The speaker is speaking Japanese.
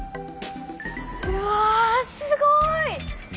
うわすごい！